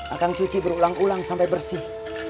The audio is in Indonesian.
akan cuci berulang ulang sampai bersih